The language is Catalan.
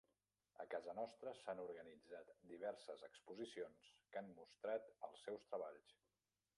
A casa nostra s'han organitzat diverses exposicions que han mostrat els seus treballs.